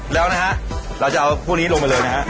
แล้วนะฮะเราจะเอาพวกนี้ลงไปเลยนะฮะ